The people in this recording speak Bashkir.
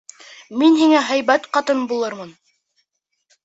Мин һиңә һәйбәт ҡатын булырмын.